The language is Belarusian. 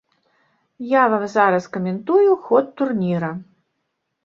Я вам зараз каментую ход турніра.